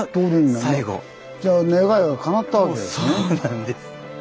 そうなんです。